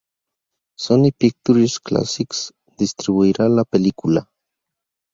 Sony Pictures Classics distribuirá la película.